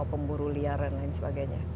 pemburu liaran dan sebagainya